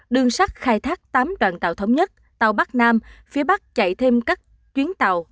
đường sắt khai thác tám đoàn tàu thống nhất tàu bắc nam phía bắc chạy thêm các chuyến tàu